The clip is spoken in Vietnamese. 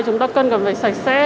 chúng ta cần phải sạch sẽ